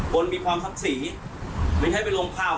คนมีความทักษิไม่ใช่เป็นลมพาว